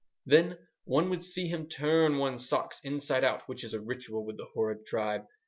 ... Then one would see him turn one's socks inside out, which is a ritual with the horrid tribe.